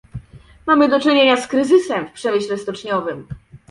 Mamy do czynienia z kryzysem w przemyśle stoczniowym